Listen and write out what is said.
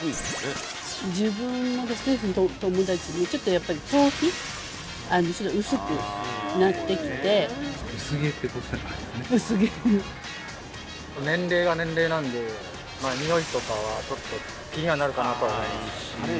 自分もですけどお友達もちょっとやっぱり頭皮ちょっと薄くなってきて薄毛ってこと薄毛うん年齢が年齢なんでにおいとかはちょっと気にはなるかなと思います